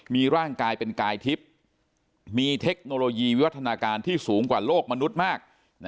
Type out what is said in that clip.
มีร่างกายเป็นกายทิพย์มีเทคโนโลยีวิวัฒนาการที่สูงกว่าโลกมนุษย์มาก